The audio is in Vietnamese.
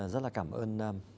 rất là cảm ơn